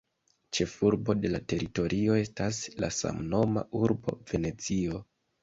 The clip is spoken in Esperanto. Ĉefurbo de la teritorio estas la samnoma urbo Venecio.